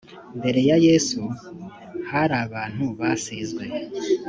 mbere ya yesu hari abantu basizwe